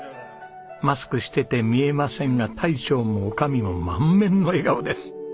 マスクしてて見えませんが大将も女将も満面の笑顔です！